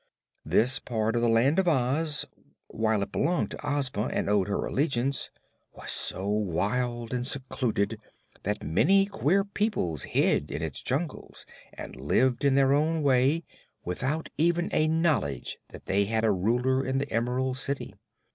This part of the Land of Oz, while it belonged to Ozma and owed her allegiance, was so wild and secluded that many queer peoples hid in its jungles and lived in their own way, without even a knowledge that they had a Ruler in the Emerald City.